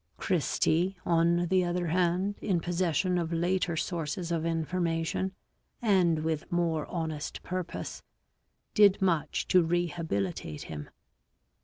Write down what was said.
Christie, on the other hand, in possession of later sources of information, and with more honest purpose, did much to rehabili tate him.